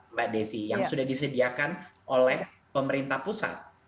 mbak desi yang sudah disediakan oleh pemerintah pusat